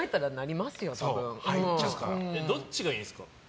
どっちがいいんですか？